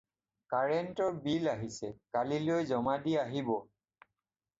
কাৰেণ্টৰ বিল আহিছে, কাইলৈ জমা দি আহিব।